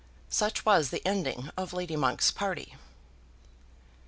Such was the ending of Lady Monk's party.